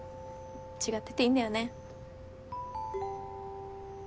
違ってていいんだよね。